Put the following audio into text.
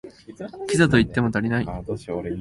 キザと言っても足りない